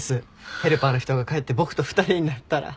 ヘルパーの人が帰って僕と２人になったら。